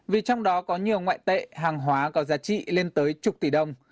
vì trong đó có nhiều ngoại tệ hàng hóa có giá trị lên tới chục tỷ đồng